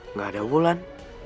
nggak ada ulan